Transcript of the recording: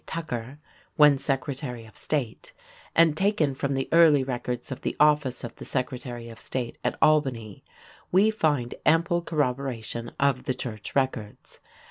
Tucker (when Secretary of State), and taken from the early records of the office of the Secretary of State at Albany, we find ample corroboration of the church records.